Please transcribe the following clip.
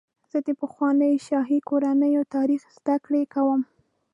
زه د پخوانیو شاهي کورنیو تاریخ زدهکړه کوم.